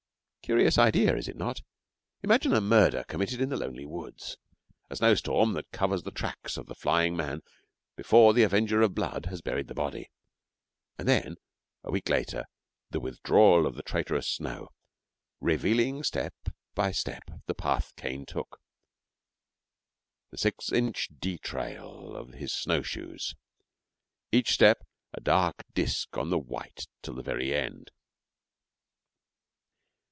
Curious idea, is it not? Imagine a murder committed in the lonely woods, a snowstorm that covers the tracks of the flying man before the avenger of blood has buried the body, and then, a week later, the withdrawal of the traitorous snow, revealing step by step the path Cain took the six inch dee trail of his snow shoes each step a dark disk on the white till the very end.